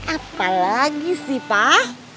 apa lagi sih pak